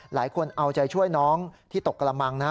หลายคนเอาใจช่วยน้องที่ตกกระมังนะ